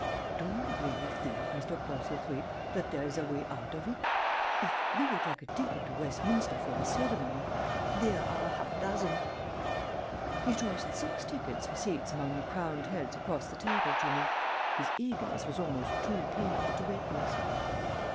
Do you really think, Mr. Postlethwaite, that there is a way out of it? If you would like a ticket to Westminster for the ceremony, there are a half dozen." He tossed six tickets for seats among the crowned heads across the table to me. His eagerness was almost too painful to witness.